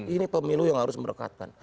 ini pemilu yang harus merekatkan